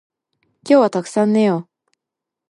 今日はたくさん寝よう